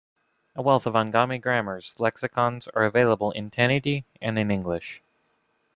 A wealth of Angami grammars, lexicons are available in Tenyidie and in English.